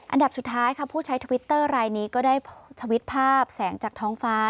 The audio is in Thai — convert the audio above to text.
อันดับสุดท้ายค่ะผู้ใช้ทวิตเตอร์รายนี้ก็ได้ทวิตภาพแสงจากท้องฟ้า